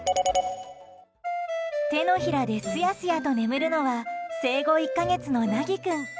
手のひらですやすやと眠るのは生後１か月のなぎ君。